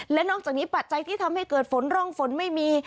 และนอกจากนี้ปัจจัยที่ทำให้เกิดฝนร่องฝนไม่มี